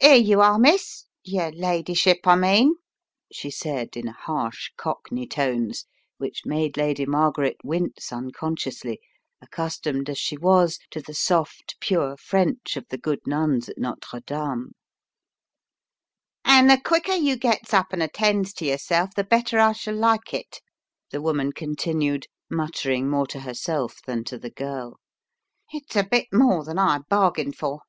"Here you are, Miss — yer ladyship, I mean," she said in harsh cockney tones which made Lady Mar garet wince unconsciously, accustomed as she was to the soft, pure French of the good nuns at Notre Dame. "An' the quicker you gets up and attends 66 The Riddle of the Purple Emperor to yerself, the better I shall like it," the woman con tinued, muttering more to herself than to the girl. "It's a bit more than I bargained for."